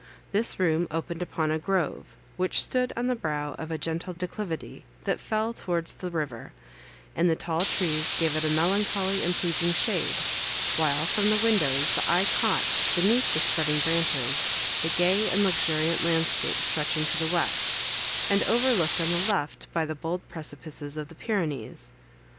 This room opened upon a grove, which stood on the brow of a gentle declivity, that fell towards the river, and the tall trees gave it a melancholy and pleasing shade; while from the windows the eye caught, beneath the spreading branches, the gay and luxuriant landscape stretching to the west, and overlooked on the left by the bold precipices of the Pyrenees.